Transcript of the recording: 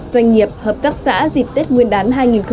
doanh nghiệp hợp tác xã dịp tết nguyên đán hai nghìn hai mươi